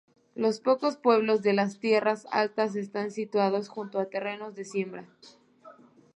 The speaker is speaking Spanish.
Los pocos pueblos de las tierras altas están situados junto a terrenos de siembra.